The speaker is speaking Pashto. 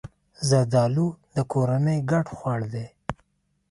زردالو د کورنۍ ګډ خوړ دی.